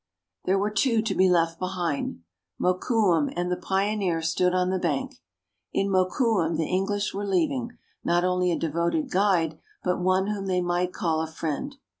There were two to be left behind. Mokoum and the pioneer stood on the bank. In Mokoum the English were leaving, not only a devoted guide, but one whom they might call a friend.